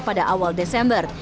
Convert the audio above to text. pada awal desember